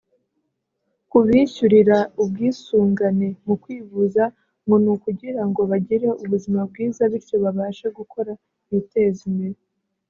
Kubishyurira ubwisungane mu kwivuza ngo ni ukugira ngo bagire ubuzima bwiza bityo babashe gukora biteze imbere